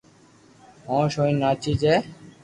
خوس ھوئين ناچي جي